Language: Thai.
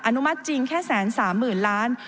อนุมัติจริงแค่๑๓๐๐๐ล้าน